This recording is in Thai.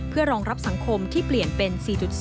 เพื่อรองรับสังคมที่เปลี่ยนเป็น๔๒